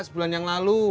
sebulan yang lalu